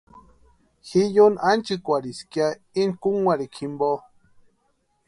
Ji yóni ánchikwarhiska ya íni kúnkwarhikwa jimpo.